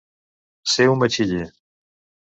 Ser un batxiller.